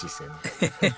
ヘヘヘ。